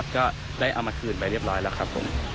ก็ได้เอามาคืนไปเรียบร้อยแล้วครับผม